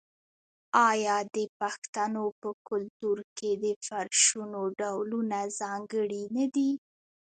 آیا د پښتنو په کلتور کې د فرشونو ډولونه ځانګړي نه دي؟